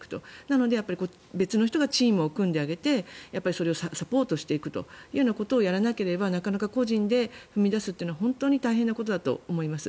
なので別の人がチームを組んであげてそれをサポートしていくということをやらなければなかなか個人で踏み出すのは大変なことだと思います。